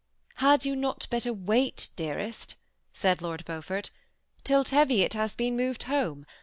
^ Had you not better wait, dearest," said Lord Beau fort, ^ till Teviot has been moved home